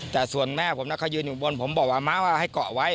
แต่ส่วนแม่ผมเขายืนอยู่บนผมบอกว่าม้าว่าให้เกาะไว้